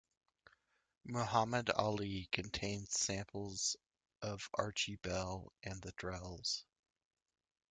"Muhammad Ali" contains samples of Archie Bell and The Drells.